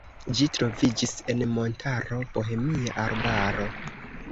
Ĝi troviĝis en montaro Bohemia arbaro.